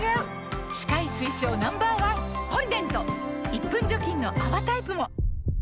１分除菌の泡タイプも！